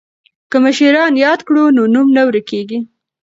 که مشران یاد کړو نو نوم نه ورکيږي.